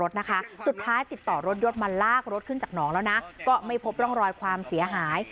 สุดท้ายติดต่อรถยดมาลากรถขึ้นจากหนองแล้วนะก็ไม่พบร่องรอยความเสียหาย